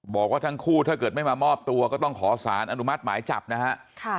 บอกว่าทั้งคู่ถ้าเกิดไม่มามอบตัวก็ต้องขอสารอนุมัติหมายจับนะฮะ